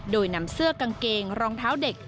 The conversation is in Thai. โดยนำเสื้อกางเกงรองเท้าเด็ก